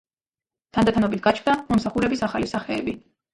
თანდათანობით გაჩნდა მომსახურების ახალი სახეები.